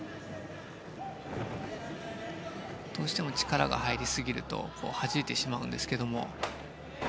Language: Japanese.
どうしても力が入りすぎるとはじいてしまうんですが。